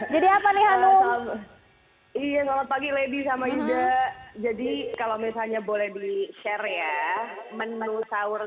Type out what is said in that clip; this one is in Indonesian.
jadi apa nih hanum pagi lebih sama juga jadi kalau misalnya boleh di share ya menu sahur